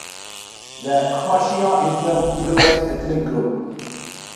The Khasia is a Mongolite ethnic group.